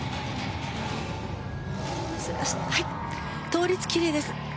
倒立、きれいです。